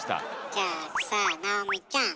じゃあさ尚美ちゃん。